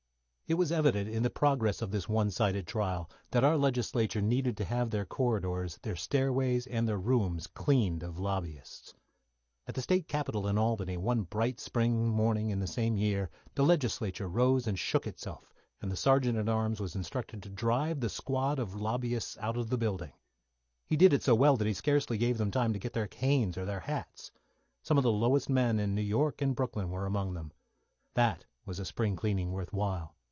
It was evident, in the progress of this one sided trial, that our legislature needed to have their corridors, their stairways, and their rooms cleaned of lobbyists. At the State Capital in Albany, one bright spring morning in the same year, the legislature rose and shook itself, and the Sergeant at Arms was instructed to drive the squad of lobbyists out of the building. He did it so well that he scarcely gave them time to get their canes or their hats. Some of the lowest men in New York and Brooklyn were among them. That was a spring cleaning worth while.